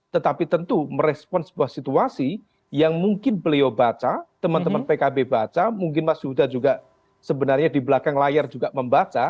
tetapi tentu merespon sebuah situasi yang mungkin beliau baca teman teman pkb baca mungkin mas huda juga sebenarnya di belakang layar juga membaca